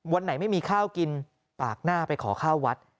วันไหนไม่มีข้าวกินปากหน้าไปขอข้าววัด